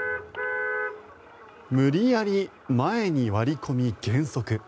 無理やり前に割り込み減速。